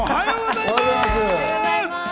おはようございます！